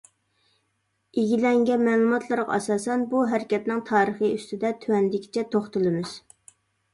ئىگىلەنگەن مەلۇماتلارغا ئاساسەن، بۇ ھەرىكەتنىڭ تارىخى ئۈستىدە تۆۋەندىكىچە توختىلىمىز.